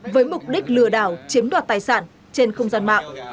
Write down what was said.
với mục đích lừa đảo chiếm đoạt tài sản trên không gian mạng